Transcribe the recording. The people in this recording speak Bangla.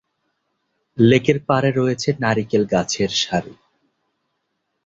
লেকের পাড়ে রয়েছে নারিকেল গাছের সারি।